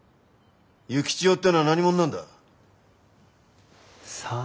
幸千代ってのは何者なんだ？さあ。